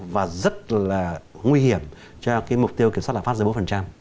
và rất là nguy hiểm cho cái mục tiêu kiểm soát lạm pháp dưới bốn